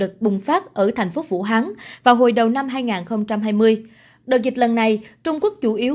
lực bùng phát ở thành phố vũ hán vào hồi đầu năm hai nghìn hai mươi đợt dịch lần này trung quốc chủ yếu